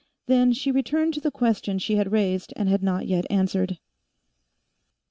Then she returned to the question she had raised and he had not yet answered.